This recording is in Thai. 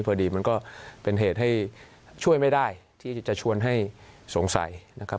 พอดีมันก็เป็นเหตุให้ช่วยไม่ได้ที่จะชวนให้สงสัยนะครับ